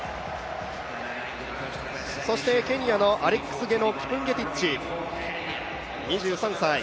そしてケニアのアレックスゲノ・キプンゲティッチ、２３歳。